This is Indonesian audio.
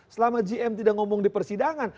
selama gm tidak ngomong di persidangan